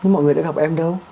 mọi người đã gặp em đâu